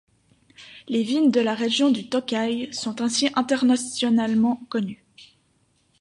Les vignes de la région du Tokay sont ainsi internationalement connues.